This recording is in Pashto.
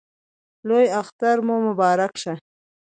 لوی اختر مو مبارک شه!